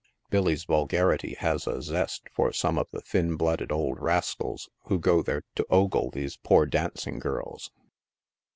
Billy's vulgarity has a zest for some of the thin blooded old rascals who go there to ogle those poor dancing girls.